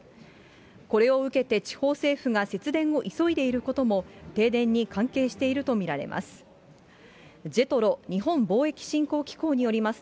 これを受けて地方政府が節電を急いでいることも、停電に関係していると見られます。